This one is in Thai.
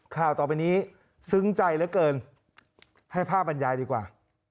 ข่าวต่อไปนี้ซึ้งใจเหลือเกินให้ภาพบรรยายดีกว่า